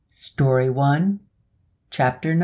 STORY ONE, CHAPTER 9.